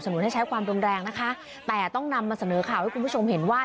นุนให้ใช้ความรุนแรงนะคะแต่ต้องนำมาเสนอข่าวให้คุณผู้ชมเห็นว่า